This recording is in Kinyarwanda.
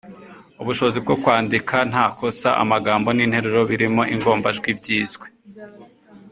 Ubushobozi bwo kwandika nta kosa, amagambo n’interuro birimo ingombajwi byizwe.